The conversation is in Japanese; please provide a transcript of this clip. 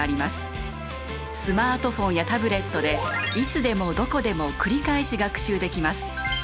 スマートフォンやタブレットでいつでもどこでも繰り返し学習できます。